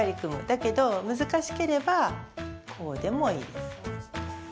だけど難しければ、こうでもいいです。